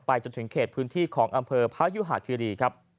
จนถึงเขตพื้นที่ของอำเภอพยุหาคิรีครับ